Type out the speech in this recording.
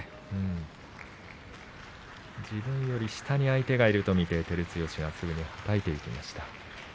自分より下に相手がいると見て、はたいていきました。